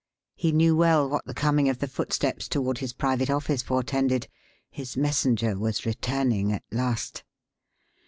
He knew well what the coming of the footsteps toward his private office portended; his messenger was returning at last.